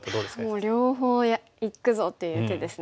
もう両方いくぞっていう手ですね。